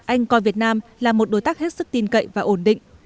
anh coi việt nam là một đối tác hết sức tin cậy và ổn định